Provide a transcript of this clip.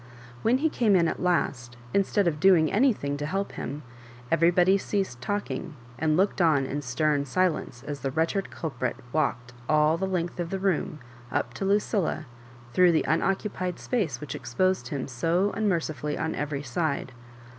When he came in at last, instead of doing any thing to help him, everybody ceased talking and looked on in stem silence as the wretched .cul prit walked all the length of the room up to Lu cilla through the unoccupied space which expos ed him so unmercifully on every side.